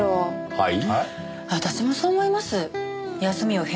はい。